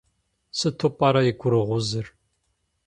Сыту пӏэрэ и гурыгъузыр?